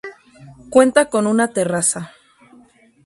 Cuenta con una terraza.